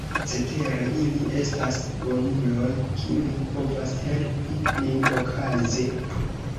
Cetere, ili estas bonuloj, kiuj povas helpi nin okaze.